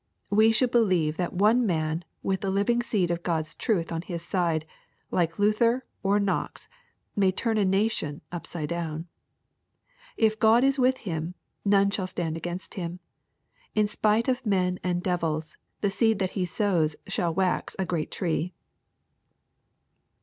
We should believe that one man with the living seed of God's truth on his side, like Luther or Knox, may turn a nation upside down. If God is with him, none shall stand against him. In spite of men and devils, the seed that he sows shall wax a great tree.